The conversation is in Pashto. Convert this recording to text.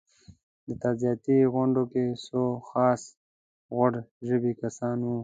په تعزیتي غونډو کې څو خاص غوړ ژبي کسان وو.